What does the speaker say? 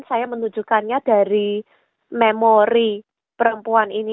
saya menunjukkannya dari memori perempuan ini